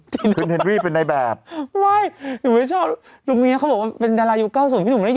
ทินรึเป็นอะไรแบบเว้ยไม่ชอบดูเมียนะถึงเป็นดาราอยู่๙๐ให้หนุ่มเนี้ย